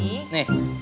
biasa aja kan apa sih